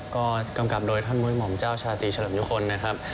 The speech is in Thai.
ก็กำกับโดยท่านมุ้ยหม่อมเจ้าชาตรีเฉลิมยุคลนะครับ